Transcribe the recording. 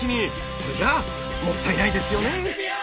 それじゃあもったいないですよね！